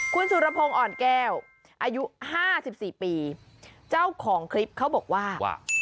คุณสุรพงศ์อ่อนแก้วอายุห้าสิบสี่ปีเจ้าของคลิปเขาบอกว่า